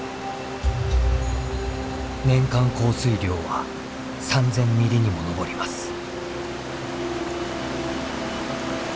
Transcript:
年間降水量は３，０００ミリにも上ります。